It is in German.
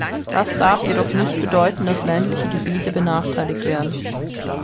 Das darf jedoch nicht bedeuten, dass ländliche Gebiete benachteiligt werden.